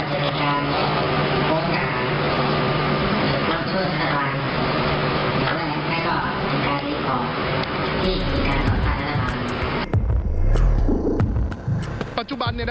ก็จะเป็นการโปรดการณ์มักช่วยสถานการณ์และการรีบก่อนที่มีการต่อสารนะครับ